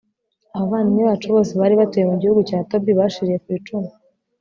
abavandimwe bacu bose bari batuye mu gihugu cya tobi bashiriye ku icumu